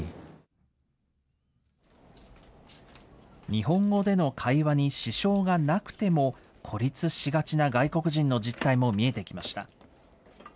日本語での会話に支障がなくても、孤立しがちな外国人の実態も見えてきました。